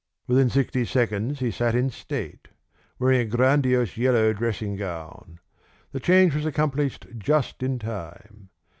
Within sixty seconds he sat in state, wearing a grandiose yellow dressing gown. The change was accomplished just in time.